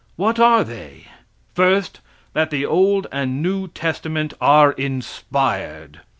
What are they? First, that the old and new testament are inspired.